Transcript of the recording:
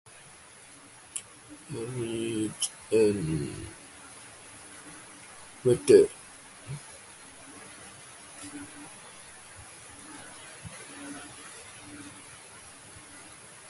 Rice and water were deposited before the two dummy figures.